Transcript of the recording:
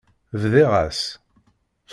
Bdiɣ-as.